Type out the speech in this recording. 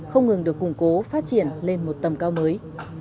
không ngừng được củng cố phát triển lên một tầm cao mới